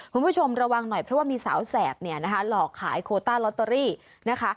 คุณผู้ชมระวังหน่อยเพราะว่ามีสาวแสบเนี่ยนะคะหลอกขายโคต้าลอตเตอรี่นะคะ